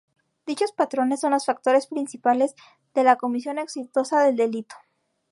Dichos patrones son los factores principales de la comisión exitosa del delito.